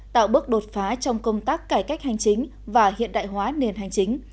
tạo bước đột phá trong công tác cải cách hành chính và hiện đại hóa nền hành chính